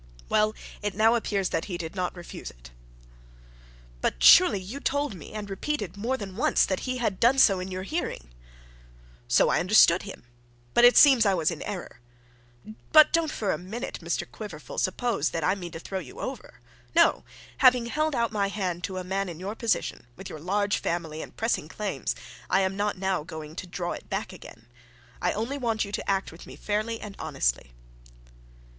'Well; it now appears that he did not refuse it.' 'But surely you told me, and repeated it more than once, that he had done so in your hearing.' 'So I understood him. But it seems I was in error. But don't for a moment, Mr Quiverful, suppose that I mean to throw you over. No. Having held out my hand to a man in your position, with your large family and pressing claims, I am not now going to draw it back again. I only want you to act with me fairly and honestly.'